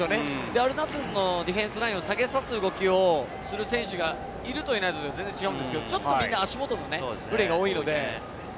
アルナスルのディフェンスラインを下げさせて動きをする選手がいるといないとでは全然違うんですけれど、ちょっとみんな足元のプレーが多いので。